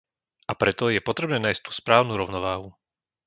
A preto je potrebné nájsť tú správnu rovnováhu.